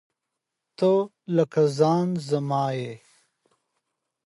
شعیب اختر تر ټولو چټک بالر وو.